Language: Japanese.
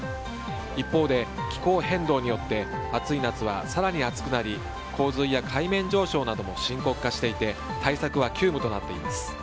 一方で気候変動によって暑い夏は更に暑くなり洪水や海面上昇なども深刻化していて対策は急務となっています。